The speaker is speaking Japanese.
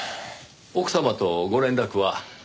奥様とご連絡は？